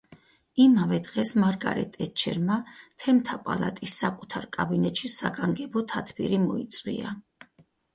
იმავე დღეს მარგარეტ ტეტჩერმა, თემთა პალატის საკუთარ კაბინეტში საგანგებო თათბირი მოიწვია.